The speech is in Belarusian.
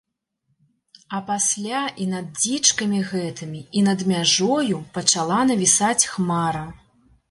А пасля і над дзічкамі гэтымі і над мяжою пачала навісаць хмара.